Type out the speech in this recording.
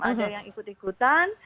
ada yang ikut ikutan